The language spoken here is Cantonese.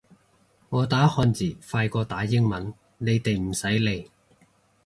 我打漢字快過打英文，你哋唔使理